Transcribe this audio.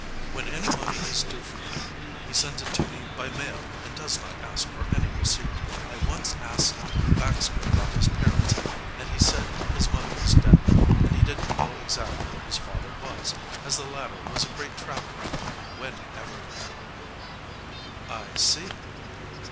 When any money is due from him he sends it to me by mail and does not ask for any receipt. I once asked Baxter about his parents, and he said his mother was dead and he didn't know exactly where his father was, as the latter was a great traveler and went everywhere." "I see."